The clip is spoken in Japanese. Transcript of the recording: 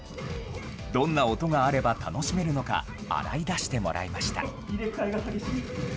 どんな音があれば楽しめるのか、洗い出してもらいました。